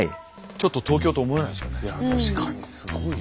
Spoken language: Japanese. ちょっと東京と思えないですよね。